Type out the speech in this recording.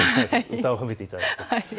歌を褒めていただいて。